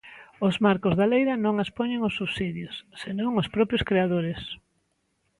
Os marcos da leira non as poñen os subsidios, senón os propios creadores.